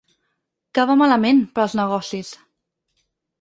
Que va malament, per als negocis!